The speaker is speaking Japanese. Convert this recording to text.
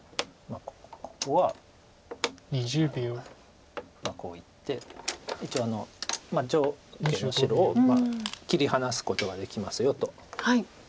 ここはこういって一応上下の白を切り離すことができますよと。